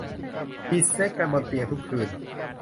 มีเซ็กส์กันบนเตียงทุกคืน